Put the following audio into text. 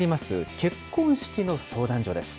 結婚式の相談所です。